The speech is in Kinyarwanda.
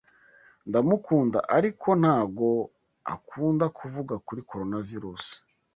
Ndamukunda, ariko ntago akunda kuvuga kuri Coronavirusi